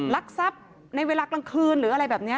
ลักทรัพย์ในเวลากลางคืนหรืออะไรแบบนี้